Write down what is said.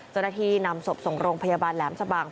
เจ้าหน้าที่นำศพส่งโรงพยาบาลแหลมชะบัง